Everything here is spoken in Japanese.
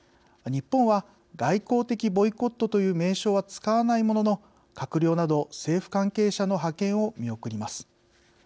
日本は、外交的ボイコットという名称は使わないものの閣僚など政府関係者の派遣を見送ります。